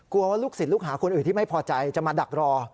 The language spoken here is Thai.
ว่าลูกศิษย์ลูกหาคนอื่นที่ไม่พอใจจะมาดักรอ